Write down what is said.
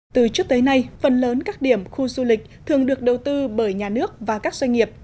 từ trước tới nay phần lớn các điểm khu du lịch thường được đầu tư bởi nhà nước và các doanh nghiệp